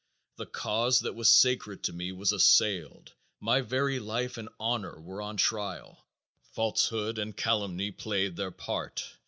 The cause that was sacred to me was assailed. My very life and honor were on trial. Falsehood and calumny played their part.